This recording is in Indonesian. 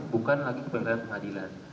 bukan lagi kepemilikan pengadilan